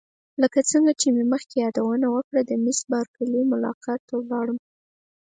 لکه څنګه چې مې مخکې یادونه وکړه د میس بارکلي ملاقات ته ولاړم.